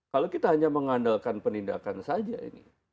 kalau kita hanya mengandalkan penindakan saja ini